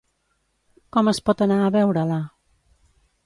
Com es pot anar a veure-la?